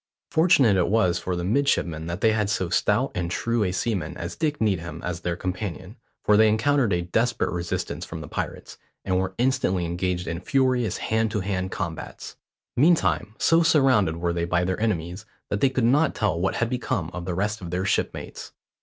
Fortunate it was for the midshipmen that they had so stout and true a seaman as Dick Needham as their companion; for they encountered a desperate resistance from the pirates, and were instantly engaged in furious hand to hand combats. Meantime, so surrounded were they by their enemies, that they could not tell what had become of the rest of their shipmates.